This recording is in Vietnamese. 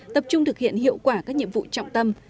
tập trung thực hiện hiệu quả các nhiệm vụ trọng tâm